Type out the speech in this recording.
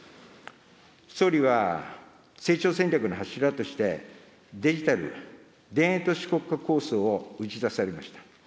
総理は、成長戦略の柱として、デジタル田園都市国家構想を打ち出されました。